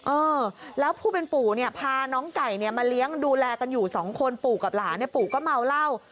เออแล้วผู้เป็นปู่เนี่ยพาน้องไก่เนี่ยมาเลี้ยงดูแลกันอยู่สองคนปู่กับหลานปู่ก็เมาเหล้า